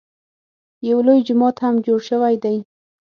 یو لوی جومات هم جوړ شوی دی.